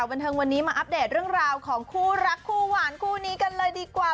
บันเทิงวันนี้มาอัปเดตเรื่องราวของคู่รักคู่หวานคู่นี้กันเลยดีกว่า